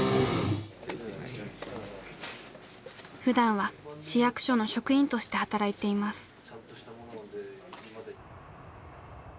ふだんは市役所の職員として働いています。